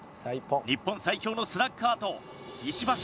日本最強のスラッガーと石橋。